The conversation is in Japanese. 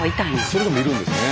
それでもいるんですね。